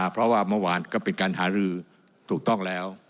เพราะว่าเมื่อวานก็ปิดการหารือถูกต้องแล้ว